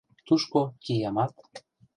— Тушко, киямат...